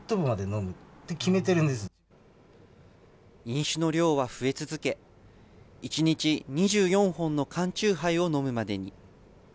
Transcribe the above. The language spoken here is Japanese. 飲酒の量は増え続け、１日２４本の缶酎ハイを飲むまでに。